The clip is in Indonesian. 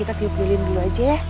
kita ke yoprilin dulu aja ya